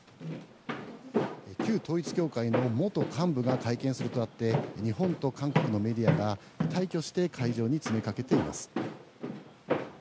旧統一教会の元幹部が会見するとあって日本と韓国のメディアが大挙して会場に詰め掛けています。